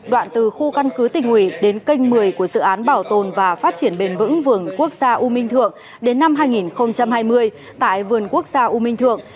đoạn từ khu căn cứ tỉnh hủy đến kênh một mươi của dự án bảo tồn và phát triển bền vững vườn quốc gia u minh thượng đến năm hai nghìn hai mươi tại vườn quốc gia u minh thượng